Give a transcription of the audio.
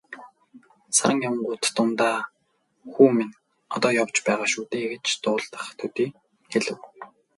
Саран явуут дундаа "Хүү минь одоо явж байгаа шүү дээ" гэж дуулдах төдий хэлэв.